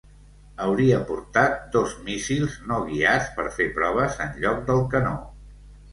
Hauria portat dos míssils no guiats per fer proves en lloc del canó.